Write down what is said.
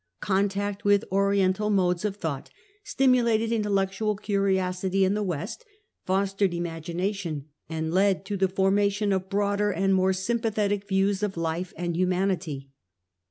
Contact with Oriental modes of thought stimulated intellectual curiosity in the West, fostered imagination, and led to the forma tion of broader and more sympathetic views of life and humanity.